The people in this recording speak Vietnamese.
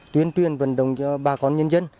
tuyên tuyên vận động cho bà con nhân dân